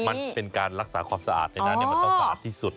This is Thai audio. มันเป็นการรักษาความสะอาดในนั้นมันต้องสะอาดที่สุด